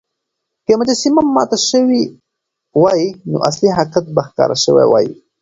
که مجسمه ماته شوې وای، نو اصلي حقيقت به ښکاره شوی وای.